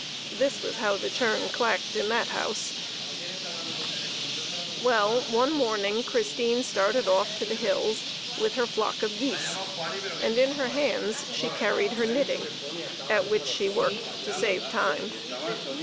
This was how the churn clacked in that house ! Well, one morning Christine started off to the hills with her flock of geese, and in her hands she carried her knitting, at which she worked to save time.